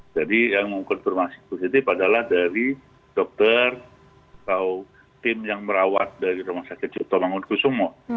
jadi yang mengkonfirmasi positif adalah dari dokter atau tim yang merawat dari rumah sakit juta mangun kusumo